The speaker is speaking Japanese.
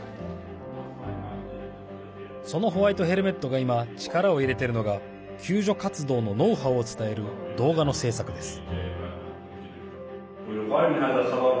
そのホワイト・ヘルメットが今、力を入れてるのが救助活動のノウハウを伝える動画の制作です。